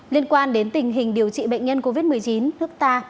liên quan đến tình hình điều trị bệnh nhân covid một mươi chín nước ta